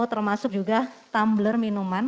termasuk juga tumbler minuman